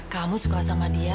kamu suka sama dia